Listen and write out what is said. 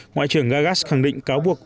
ngoại trưởng gagas khẳng định cáo buộc